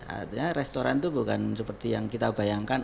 artinya restoran itu bukan seperti yang kita bayangkan